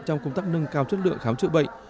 trong công tác nâng cao chất lượng khám chữa bệnh